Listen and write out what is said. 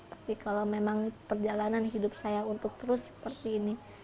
tapi kalau memang perjalanan hidup saya untuk terus seperti ini